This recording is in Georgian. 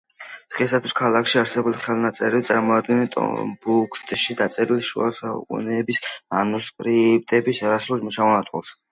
დღეისათვის ქალაქში არსებული ხელნაწერები წარმოადგენენ ტომბუქტუში დაწერილი შუა საუკუნეების მანუსკრიპტების არასრულ ჩამონათვალს.